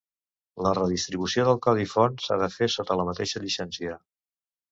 La redistribució del codi font s'ha de fer sota la mateixa llicència.